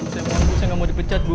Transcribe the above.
saya mohon bu saya gak mau dipecat bu